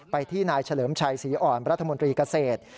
ที่นายเฉลิมชัยศรีอ่อนรัฐมนตรีเกษตร